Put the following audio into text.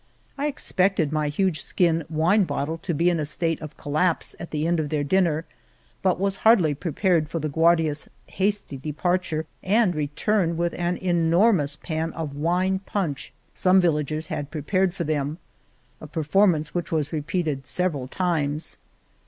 I expected my huge skin wine bottle to be in a state of collapse at the end of their dinner, but was hardly prepared for the Guardias's hasty de parture and return with an enormous pan of wine punch some villagers had prepared for them, a performance which was repeated several times.